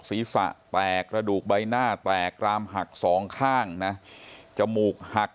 ศีรษะแตกกระดูกใบหน้าแตกกรามหักสองข้างนะจมูกหัก